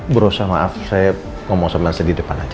berusaha maaf saya ngomong sebelah sedih depan aja